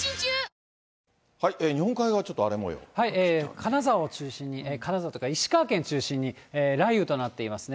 金沢を中心に、金沢というか、石川県中心に雷雨となっていますね。